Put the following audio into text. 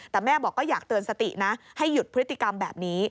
แต่แม่บอกก็อยากเตือนสตินะให้หยุดพฤติกรรมแบบนี้